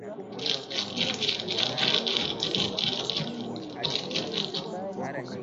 iliyoandaliwa na Rais Kenyatta mwenyeji wa mkutano wa wakuu wa nchi za Afrika mashariki